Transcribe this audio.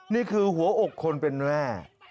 นี่คือหัวอกคนเป็นแม่